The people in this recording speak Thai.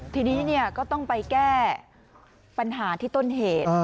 ทีนี้ก็ต้องไปแก้ปัญหาที่ต้นเหตุ